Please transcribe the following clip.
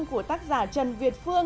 của tác giả trần việt phương